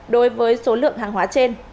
đối với số lượng hàng hóa trên